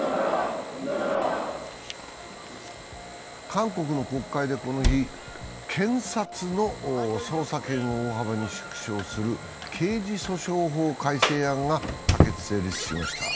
韓国の国会でこの日、検察の捜査権を大幅に縮小する刑事訴訟法改正案が可決・成立しました。